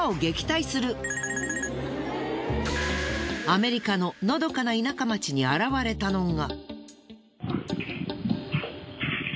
アメリカののどかな田舎町に現れたのが。